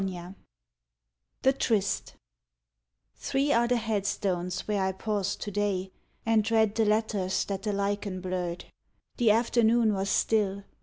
53 THE TRYST Three are the headstones where I paused to day And read the letters that the lichen blurred. The afternoon was still.